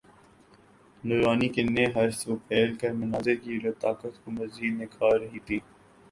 نورانی کرنیں ہر سو پھیل کر منظر کی لطافت کو مزید نکھار رہی تھیں